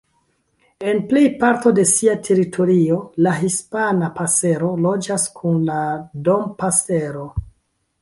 En plej parto de sia teritorio, la Hispana pasero loĝas kun la Dompasero.